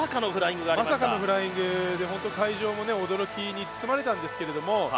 まさかのフライングで本当に会場も驚きに包まれたんですけども。